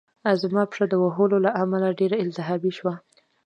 زما پښه د وهلو له امله ډېره التهابي شوه